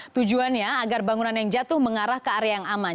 tujuannya agar bangunan yang jatuh mengarah ke area yang aman